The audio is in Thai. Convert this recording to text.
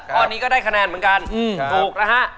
ตอนนี้ก็ได้คะแนนเหมือนกันถูกนะฮะ